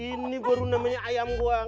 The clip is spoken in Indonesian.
ini baru namanya ayam buah